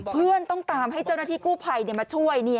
เพื่อนต้องตามให้เจ้าหน้าที่กู้ภัยมาช่วย